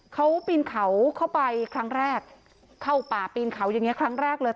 เขาปีนเขาเข้าไปครั้งแรกเข้าป่าปีนเขาอย่างเงี้ครั้งแรกเลย